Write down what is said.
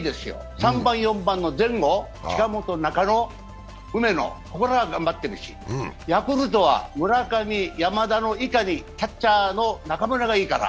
３番、４番の前後、梅野が頑張ってるし、ヤクルトは村上、山田の以下にキャッチャーの中村がいいから。